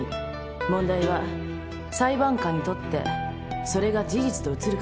問題は裁判官にとってそれが事実と映るかどうか。